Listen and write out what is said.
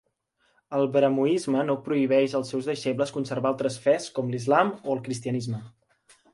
El brahmoisme no prohibeix als seus deixebles conservar altres fes com l'Islam o el Cristianisme.